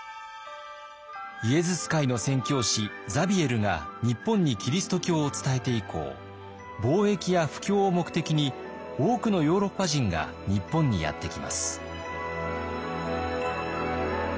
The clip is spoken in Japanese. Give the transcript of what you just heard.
イエズス会の宣教師ザビエルが日本にキリスト教を伝えて以降貿易や布教を目的に多くのヨーロッパ人が日本にやって来ます。